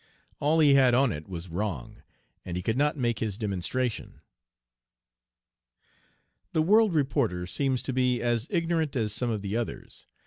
All he had on it was wrong, and he could not make his demonstration." The World reporter seems to be as ignorant as some of the others.